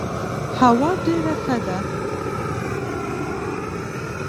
هوا ډيره ښه ده.